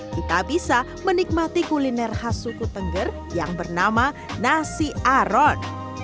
kita bisa menikmati kuliner khas suku tengger yang bernama nasi aron